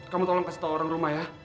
kamu tolong kasih tahu orang rumah ya